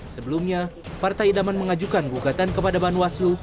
sebelumnya partai idaman mengajukan gugatan kepada banu aslu